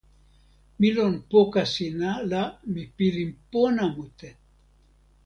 mi lon poka sina la mi pilin pona mute.